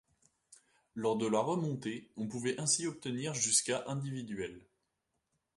Lors de la remontée, on pouvait ainsi obtenir jusqu'à individuels.